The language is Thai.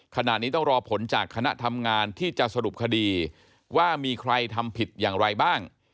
ขณะนี้ต้องรอผลจากคณะทำงานที่จะสรุปคดีว่ามีใครทำผิดอย่างไรบ้าง